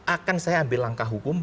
akan saya ambil langkah hukum